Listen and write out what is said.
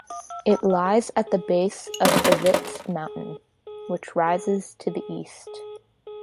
It lies at the base of Evitts Mountain, which rises to the east.